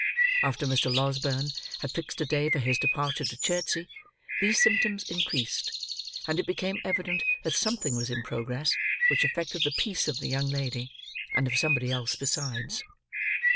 After Mr. Losberne had fixed a day for his departure to Chertsey, these symptoms increased; and it became evident that something was in progress which affected the peace of the young lady, and of somebody else besides.